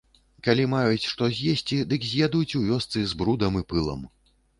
Калі маюць што з'есці, дык з'ядуць у вёсцы з брудам і пылам.